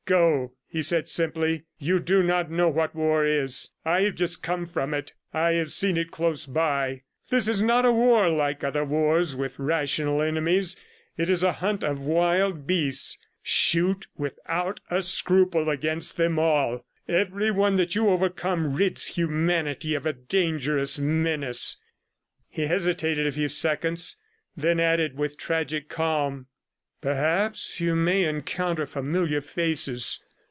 "Go," he said simply. "You do not know what war is; I have just come from it; I have seen it close by. This is not a war like other wars, with rational enemies; it is a hunt of wild beasts. ... Shoot without a scruple against them all. ... Every one that you overcome, rids humanity of a dangerous menace." He hesitated a few seconds, and then added with tragic calm: "Perhaps you may encounter familiar faces.